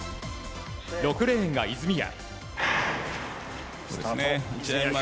６レーンが泉谷。